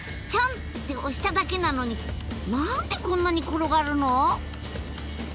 ちょんって押しただけなのに何でこんなに転がるの？